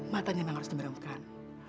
matanya memang harus diberangkan